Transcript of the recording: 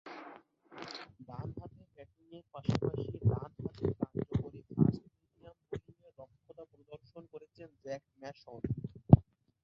ডানহাতে ব্যাটিংয়ের পাশাপাশি ডানহাতে কার্যকরী ফাস্ট-মিডিয়াম বোলিংয়ে দক্ষতা প্রদর্শন করেছেন জ্যাক ম্যাসন।